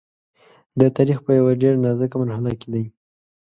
د تاریخ په یوه ډېره نازکه مرحله کې دی.